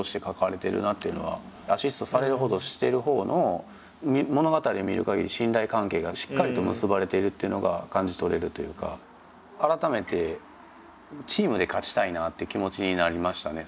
アシストされるほうとしてるほうの物語を見るかぎり信頼関係がしっかりと結ばれているっていうのが感じ取れるというか。って気持ちになりましたね